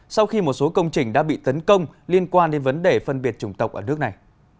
sau khi một số công trình đã bị tấn công liên quan đến vấn đề phân biệt chủng tộc ở nước này